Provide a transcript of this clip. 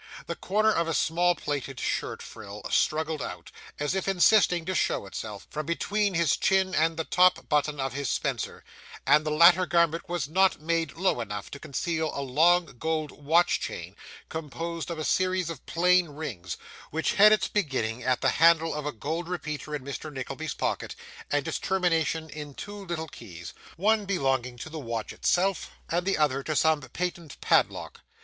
The corner of a small plaited shirt frill struggled out, as if insisting to show itself, from between his chin and the top button of his spencer; and the latter garment was not made low enough to conceal a long gold watch chain, composed of a series of plain rings, which had its beginning at the handle of a gold repeater in Mr. Nickleby's pocket, and its termination in two little keys: one belonging to the watch itself, and the other to some patent padlock.